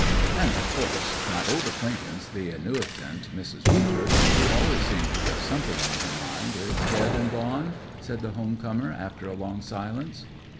'And, of course, my old acquaintance, the annuitant, Mrs. Winter, who always seemed to have something on her mind, is dead and gone?' said the home comer, after a long silence.